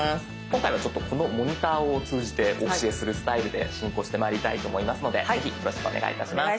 今回はこのモニターを通じてお教えするスタイルで進行してまいりたいと思いますのでぜひよろしくお願いいたします。